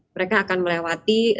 mereka akan melewati